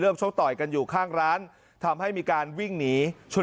ชกต่อยกันอยู่ข้างร้านทำให้มีการวิ่งหนีช่วย